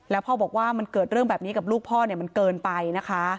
แล้วพ่อบอกว่ามันเกิดเรื่องแบบนี้กับลูกพ่อมันเกินไปนะคะ